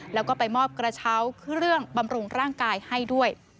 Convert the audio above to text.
แล้วก็ไปมอบกระเช้าเครื่องบำรุงร่างกายให้ด้วย